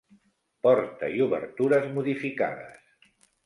Porta i obertures modificades.